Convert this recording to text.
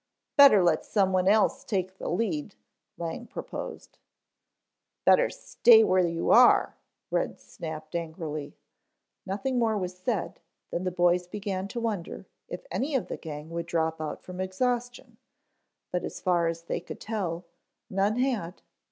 "Better let someone else take the lead," Lang proposed. "Better stay where you are," Red snapped angrily. Nothing more was said, then the boys began to wonder if any of the gang would drop out from exhaustion, but as far as they could tell, none had.